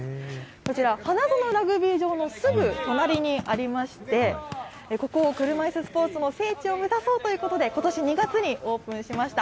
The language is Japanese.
こちら、花園ラグビー場のすぐ隣にありまして、ここを車いすスポーツの聖地を目指そうということで、ことし２月にオープンしました。